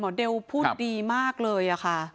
เดลพูดดีมากเลยค่ะ